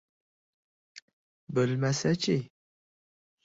Bo‘lmasa-chi!